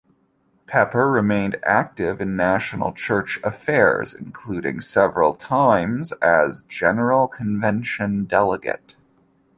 Pepper remained active in national church affairs, including several times as General Convention delegate.